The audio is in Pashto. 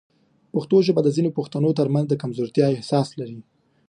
پښتو ژبه د ځینو پښتنو ترمنځ د کمزورتیا احساس لري.